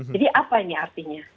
jadi apa ini artinya